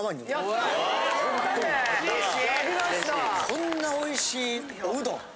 こんなおいしいおうどん。